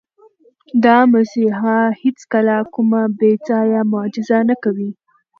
دا مسیحا هیڅکله کومه بې ځایه معجزه نه کوي.